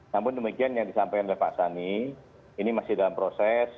namun demikian yang disampaikan oleh pak sani ini masih dalam proses